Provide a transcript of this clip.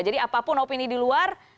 jadi apapun opini di luar